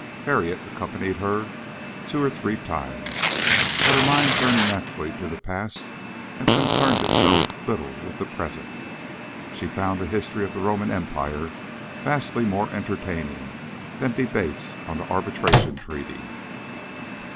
Harriet accompanied her two or three times, but her mind turned naturally to the past and concerned itself little with the present. She found the history of the Roman Empire vastly more entertaining than debates on the Arbitration Treaty.